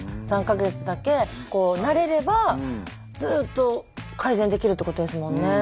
３か月だけ慣れればずっと改善できるってことですもんね。